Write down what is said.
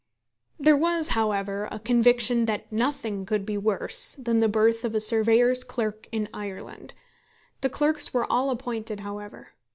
There was, however, a conviction that nothing could be worse than the berth of a surveyor's clerk in Ireland. The clerks were all appointed, however.